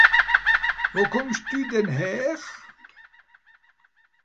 Wo kùmmsch denn dü häre?